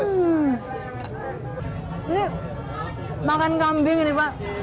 ini makan kambing ini pak